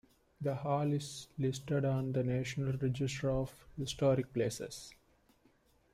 The hall is listed on the National Register of Historic Places.